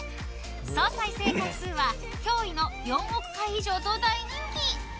総再生回数は驚異の４億回以上と大人気。